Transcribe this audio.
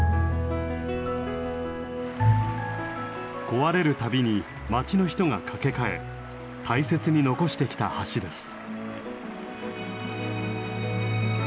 壊れる度に町の人が架け替え大切に残してきた橋です。